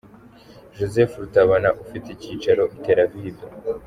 Joseph Rutabana ufite icyicaro i Tel Aviv.